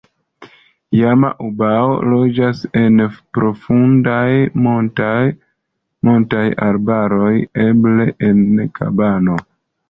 Jama-ubao loĝas en profundaj montaj arbaroj, eble en kabano.